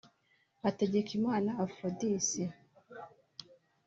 Hategekimana Aphrodis